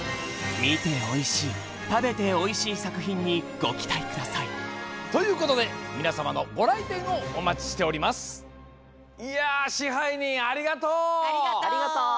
みておいしい食べておいしいさくひんにごきたいくださいということでみなさまのごらいてんをおまちしております。